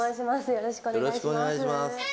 よろしくお願いします。